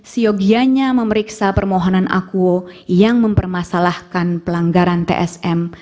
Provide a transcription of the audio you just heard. siogyanya memeriksa permohonan akuo yang mempermasalahkan pelanggaran tsm